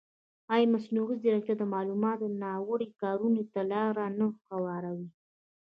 ایا مصنوعي ځیرکتیا د معلوماتو ناوړه کارونې ته لاره نه هواروي؟